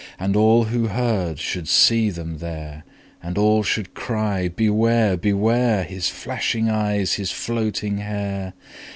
And all who heard should see them there, And all should cry, Beware! Beware! His flashing eyes, his floating hair!